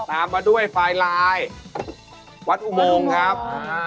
ตามมาด้วยไฟไลน์วัดอุโมงครับ